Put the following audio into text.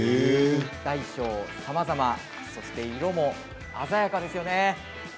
大小さまざま色も鮮やかですよね。